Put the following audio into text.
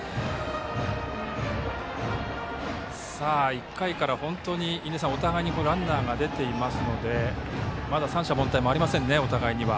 １回からお互いにランナーが出ていますのでまだ三者凡退もお互いにありませんね。